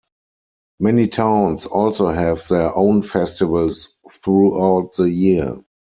Many towns also have their own festivals throughout the year.